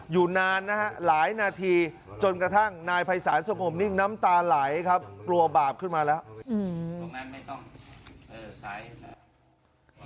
อยู่นานนะฮะหลายนาทีจนกระทั่งนายภัยศาลสงบนิ่งน้ำตาไหลครับกลัวบาปขึ้นมาแล้ว